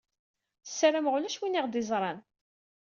Sarameɣ ulac win i aɣ-d-iẓran.